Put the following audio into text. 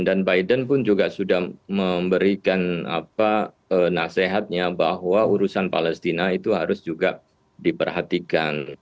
dan biden pun juga sudah memberikan apa nasihatnya bahwa urusan palestina itu harus juga diperhatikan